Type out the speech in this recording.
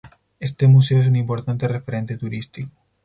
Este museo es un importante referente turístico.